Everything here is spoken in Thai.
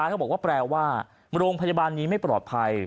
เขาบอกว่าแปลว่าโรงพยาบาลนี้ไม่ปลอดภัย